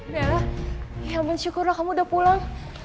bella ya ampun syukurlah kamu udah pulang